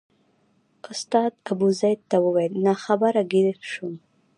استاد ابوزید ته وویل ناخبره ګیر شوم.